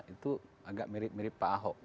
itu agak mirip mirip pak ahok